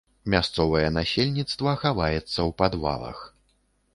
Мясцовае насельніцтва хаваецца ў падвалах.